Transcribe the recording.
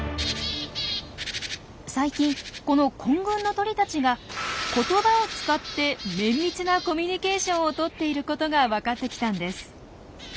最近この混群の鳥たちが「言葉」を使って綿密なコミュニケーションをとっていることが分かってきたんです。